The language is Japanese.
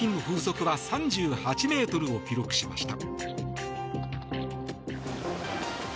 中心付近の風速は３８メートルを記録しました。